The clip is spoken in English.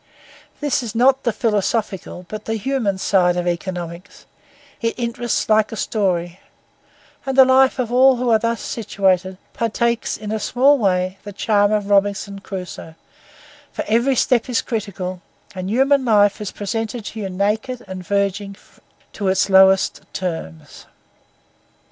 This is not the philosophical, but the human side of economics; it interests like a story; and the life all who are thus situated partakes in a small way the charm of Robinson Crusoe; for every step is critical and human life is presented to you naked and verging to its lowest terms.